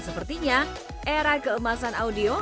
dan sepertinya era keemasan audio